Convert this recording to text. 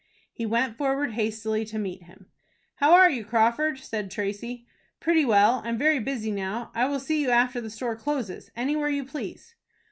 He went forward hastily to meet him. "How are you, Crawford?" said Tracy. "Pretty well. I am very busy now. I will see you, after the store closes, anywhere you please."